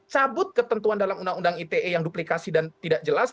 cabut ketentuan dalam undang undang ite yang duplikasi dan tidak jelas